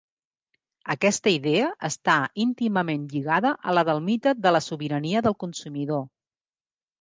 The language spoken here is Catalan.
Aquesta idea està íntimament lligada a la del mite de la sobirania del consumidor.